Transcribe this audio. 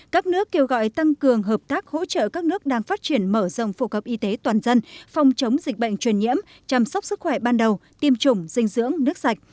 các nước kêu gọi tăng cường hợp tác hỗ trợ các nước đang phát triển mở rộng phụ cập y tế toàn dân phòng chống dịch bệnh truyền nhiễm chăm sóc sức khỏe ban đầu tiêm chủng dinh dưỡng nước sạch